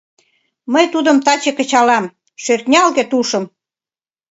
Мый тудым таче кычалам — Шӧртнялге тушым.